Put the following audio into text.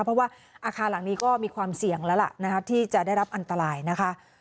เพราะว่าอาคารหลังนี้ก็มีความเสี่ยงแล้วล่ะนะคะที่จะได้รับอันตรายนะคะ